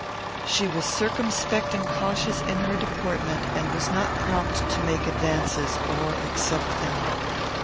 She was circumspect and cautious in her deportment, and was not prompt to make advances, or accept them.